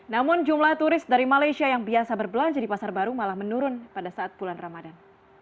namun jumlah turis dari malaysia yang biasa berbelanja di pasar baru malah menurun pada saat bulan ramadan